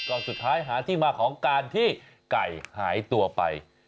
สุดท้ายหาที่มาของการที่ไก่หายตัวไป